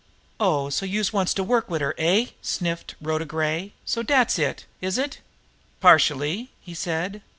"Oh, so youse wants to work wid her, eh?" sniffed Rhoda Gray. "So dat's it, is it?" "Partially," he said.